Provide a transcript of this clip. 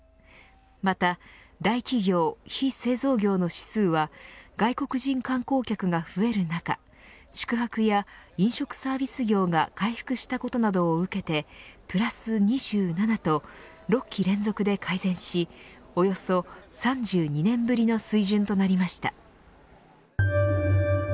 また大企業・非製造業の指数は外国人観光客が増える中宿泊や飲食サービス業が回復したことなどを受けてプラス２７と６期連続で改善しおよそ３２年ぶりの水準となりました。